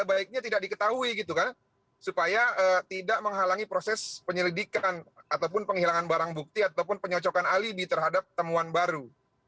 sebaiknya tidak diketahui gitu kan supaya tidak menghalangi proses penyelidikan ataupun penghilangan barang bukti ataupun penyocokan alibi terhadap temuan baru